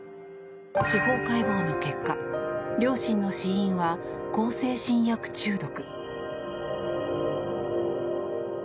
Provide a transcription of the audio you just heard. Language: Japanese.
司法解剖の結果両親の死因は向精神薬中毒。